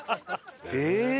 えっ！